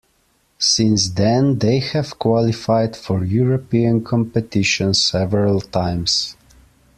Since then they have qualified for European competition several times.